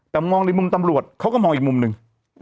แต่มองในมุมตำรวจเขาก็มองอีกมุมหนึ่ง